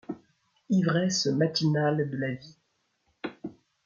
Ivresse matinale de la vie !